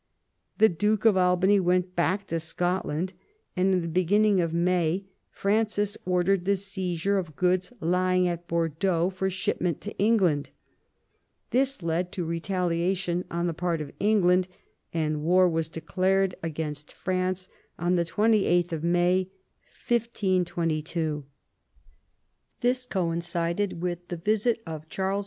The Duke of Albany went back to Scotland ; and in the beginning of May Francis ordered the seizure of goods lying at Bordeaux for ship ment to England. This led to retaliation on the part of England, and war was declared against France on 28th May 1622. This coincided with the visit of Charles V.